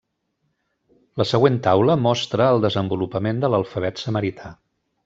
La següent taula mostra el desenvolupament de l'alfabet samarità.